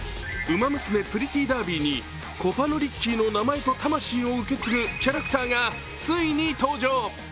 「ウマ娘プリティダービー」にコパノリッキーと名前と魂を受け継ぐキャラクターがついに登場。